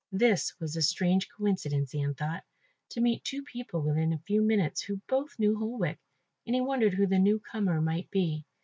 This was a strange coincidence, Ian thought, to meet two people within a few minutes who both knew Holwick and he wondered who the newcomer might be.